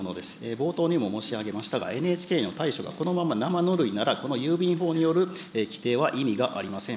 冒頭にも申し上げましたが、ＮＨＫの対処がこのままなまぬるいならこの郵便法による規定は意味がありません。